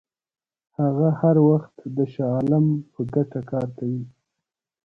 هغه هر وخت د شاه عالم په ګټه کار کوي.